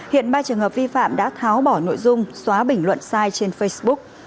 hiện ba trường hợp vi phạm đã tháo bỏ nội dung xóa bình luận sai trên facebook